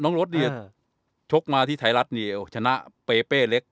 นอรดเดี่ยวชกมาที่ไถรัฐนี่เฉล่าเป๊ะเต้เล็ก